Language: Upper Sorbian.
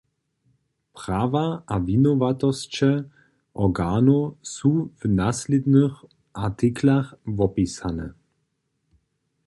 Prawa a winowatosće organow su w naslědnych artiklach wopisane.